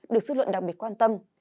được sức lượng đặc biệt quan tâm